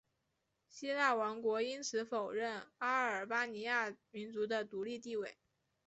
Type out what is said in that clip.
希腊王国因此否认阿尔巴尼亚民族的独立地位。